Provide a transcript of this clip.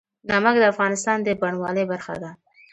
نمک د افغانستان د بڼوالۍ برخه ده.